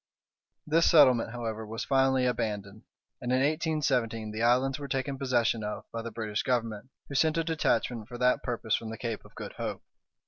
This settlement, however, was finally abandoned, and in 1817 the islands were taken possession of by the British Government, who sent a detachment for that purpose from the Cape of Good Hope.